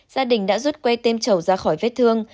gia đình đã rút que têm trầu ra khỏi vết thương